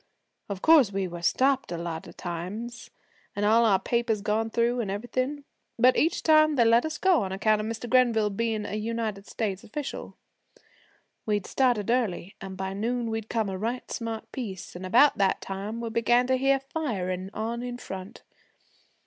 Of course we were stopped a lot of times and all our papers gone through and everything, but each time they let us go on account of Mr. Grenville bein' a United States official. We'd started early, an' by noon we'd come a right smart piece, an' about that time we began to hear firing on in front.